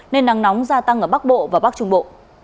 nên nắng nóng gia tăng ở bắc bộ và bắc trung bộ